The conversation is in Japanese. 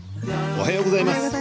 おはようございます。